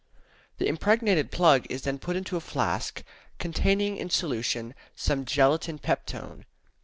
The impregnated plug is then put into a flask containing in solution some gelatine peptone.